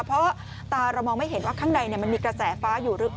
เพราะตาเรามองไม่เห็นว่าข้างในมันมีกระแสฟ้าอยู่หรือ